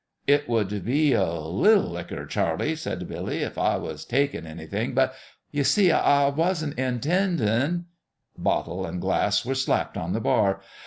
" It would be a HT licker, Charlie," said Billy, " if I was takin' anything. But ye see, I wasn't intendin' " Bottle and glass were slapped on the bar.